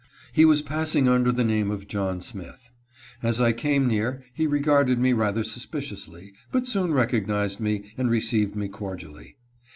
He was passing under the name of John Smith. As I came near, he regarded me rather suspiciously, but soon recognized me, and received me cordially.